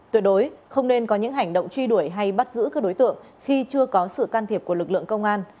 tuyệt đối không nên có những hành động truy đuổi hay bắt giữ các đối tượng khi chưa có sự can thiệp của lực lượng công an